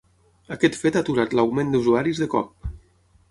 Aquest fet ha aturat l’augment d’usuaris de cop.